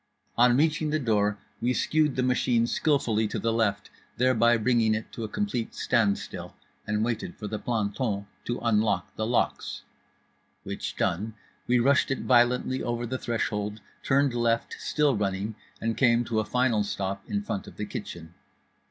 On reaching the door we skewed the machine skillfully to the left, thereby bringing it to a complete standstill, and waited for the planton to unlock the locks; which done, we rushed it violently over the threshold, turned left, still running, and came to a final stop in front of the kitchen.